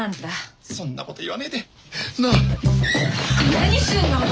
何すんの！